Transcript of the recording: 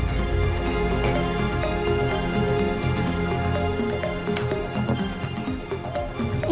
satu kuagum sih